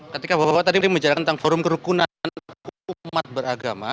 ketika bapak bapak tadi membicarakan tentang forum kerukunan umat beragama